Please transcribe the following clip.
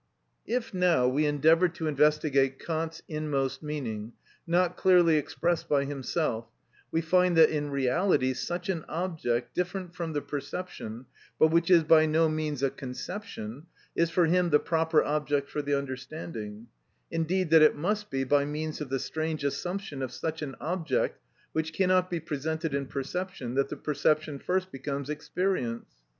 If, now, we endeavour to investigate Kant's inmost meaning, not clearly expressed by himself, we find that in reality such an object, different from the perception, but which is by no means a conception, is for him the proper object for the understanding; indeed that it must be by means of the strange assumption of such an object, which cannot be presented in perception, that the perception first becomes experience.